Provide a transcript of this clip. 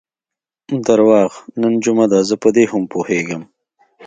درواغ، نن جمعه ده، زه په دې هم پوهېږم.